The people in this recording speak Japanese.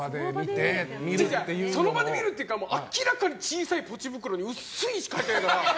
違う違う、その場で見るっていうか明らかに小さいポチ袋に薄いのしか入ってないから。